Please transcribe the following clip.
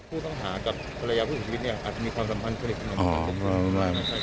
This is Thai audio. ผู้ต้องหากับภรรยาผู้เสียชีวิตอาจจะมีความสำคัญของพวกมัน